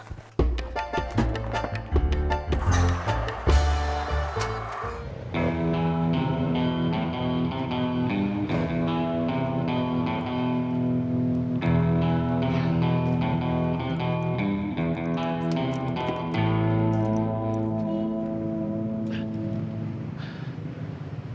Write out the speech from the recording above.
tadi emak lagi telepon